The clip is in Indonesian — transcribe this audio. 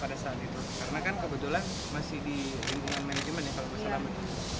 karena kan kebetulan masih di lingkungan manajemen